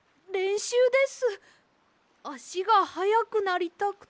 あしがはやくなりたくて。